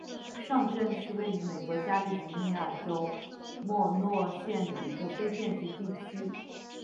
上镇是位于美国加利福尼亚州莫诺县的一个非建制地区。